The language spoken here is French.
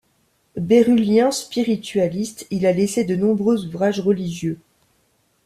Bérullien spiritualiste, il a laissé de nombreux ouvrages religieux.